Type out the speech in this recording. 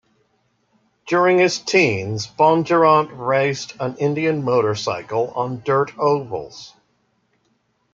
During his teens, Bondurant raced an Indian motorcycle on dirt ovals.